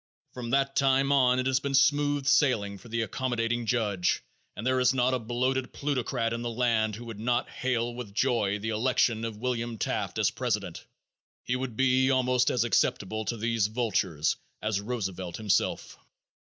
From that time on it has been smooth sailing for the accommodating judge and there is not a bloated plutocrat in the land who would not hail with joy the election of William Taft as president; he would be almost as acceptable to these vultures as Roosevelt himself.